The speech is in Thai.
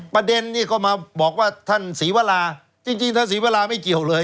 ประเด็นนี่ก็มาบอกว่าท่านศรีวราจริงท่านศรีวราไม่เกี่ยวเลย